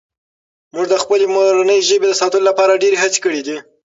موږ د خپلې مورنۍ ژبې د ساتلو لپاره ډېرې هڅې کړي دي.